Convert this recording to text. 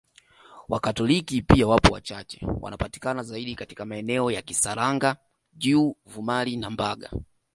Wakatoliki pia wapo wachache wanapatikana zaidi katika maeneo ya Kisangara juu Vumari na Mbaga